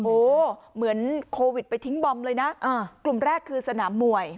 โอ้โหเหมือนโควิดไปทิ้งบอมเลยนะกลุ่มแรกคือสนามมวย